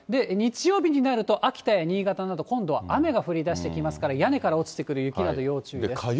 日曜日になると秋田や新潟など、今度は雨が降りだしてきますから、屋根から落ちてくる雪など、要注意です。